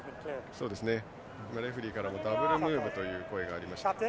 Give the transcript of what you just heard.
レフリーからもダブルムーブという声がありました。